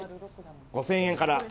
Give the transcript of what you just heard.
５，０００円から。